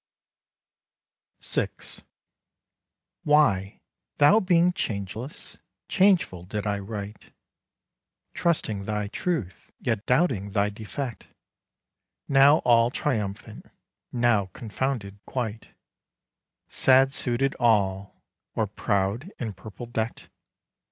VI Why, thou being changeless, changeful did I write, Trusting thy truth, yet doubting thy defect, Now all triumphant, now confounded quite, Sad suited all, or proud in purple deck'd?